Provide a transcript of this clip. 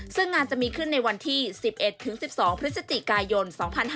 ซึ่งงานจะมีขึ้นในวันที่๑๑๑๒พฤศจิกายน๒๕๕๙